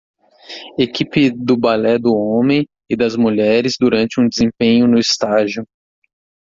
Equipe do ballet do homem e das mulheres durante um desempenho no estágio.